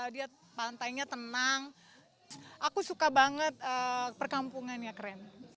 dia pantainya tenang aku suka banget perkampungannya keren